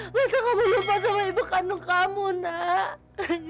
masa kamu lupa sama ibu kandung kamu nak